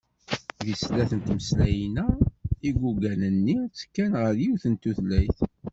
Deg snat n tmeslayin-a yeggugan i ttekkan ɣer yiwet n tutlayt.